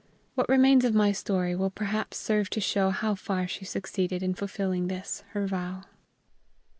What remains of my story will perhaps serve to show how far she succeeded in fulfilling this her vow.